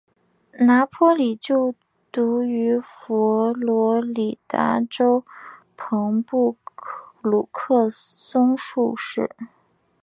拿坡里就读于佛罗里达州朋布鲁克松树市。